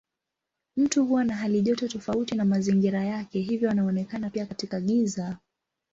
Mtu huwa na halijoto tofauti na mazingira yake hivyo anaonekana pia katika giza.